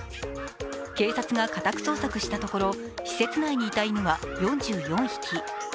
警察が家宅捜索したところ、施設内にいた犬は４４匹。